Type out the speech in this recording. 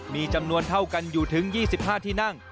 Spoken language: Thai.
มีจำนวนเท่ากันอยู่ถึง๒๕ที่นั่ง